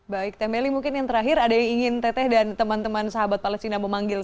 baik teh meli mungkin yang terakhir ada yang ingin teteh dan teman teman sahabat palestina memanggil